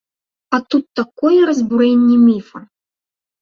А тут такое разбурэнне міфа!